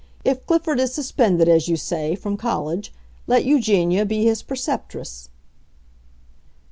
If Clifford is suspended, as you say, from college, let Eugenia be his preceptress."